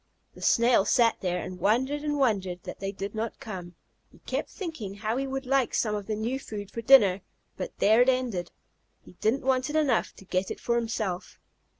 The Snail sat there, and wondered and wondered that they did not come. He kept thinking how he would like some of the new food for dinner, but there it ended. He didn't want it enough to get it for himself.